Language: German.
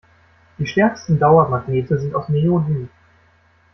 Die stärksten Dauermagnete sind aus Neodym.